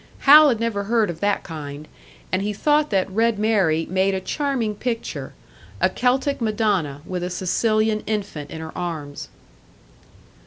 Hal had never heard of that kind, and he thought that "Red Mary" made a charming picture a Celtic madonna with a Sicilian infant in her arms.